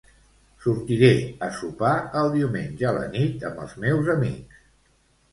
Sortiré a sopar el diumenge a la nit amb els meus amics.